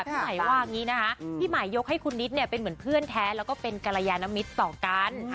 พี่หมายว่าอย่างนี้นะคะพี่หมายยกให้คุณนิดเนี่ยเป็นเหมือนเพื่อนแท้แล้วก็เป็นกรยานมิตรต่อกัน